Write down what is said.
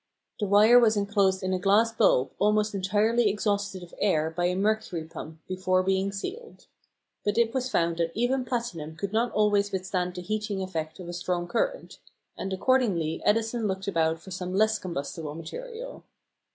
The wire was enclosed in a glass bulb almost entirely exhausted of air by a mercury pump before being sealed. But it was found that even platinum could not always withstand the heating effect of a strong current; and accordingly Edison looked about for some less combustible material.